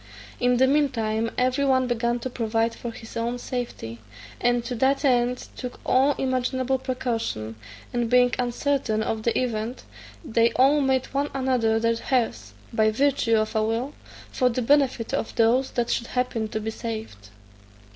In the mean time every one began to provide for his own safety, and to that end took all imaginable precaution; and being uncertain of the event, they all made one another their heirs, by virtue of a will, for the benefit of those that should happen to be saved.